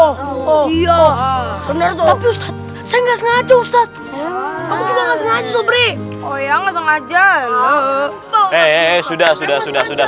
oh iya bener bener saya nggak sengaja ustadz oh ya nggak sengaja loh eh sudah sudah sudah sudah